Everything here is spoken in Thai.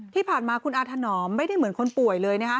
ที่ผ่านมาคุณอาถนอมไม่ได้เหมือนคนป่วยเลยนะคะ